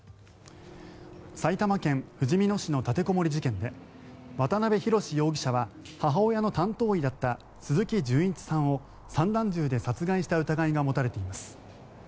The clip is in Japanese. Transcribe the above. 埼玉県ふじみ野市の立てこもり事件で渡辺宏容疑者は母親の担当医だった鈴木純一さんを散弾銃で殺害した疑いが持たれています。